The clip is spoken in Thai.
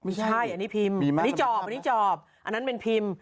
ไม่ใช่อันนี้จอบอันนั้นเป็นพิมพ์